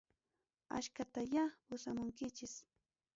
Askatayá pusamunkichis.